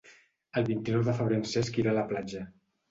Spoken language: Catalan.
El vint-i-nou de febrer en Cesc irà a la platja.